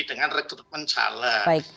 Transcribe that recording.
dengan rekrutmen calon